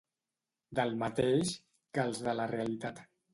Del mateix que els de la realitat.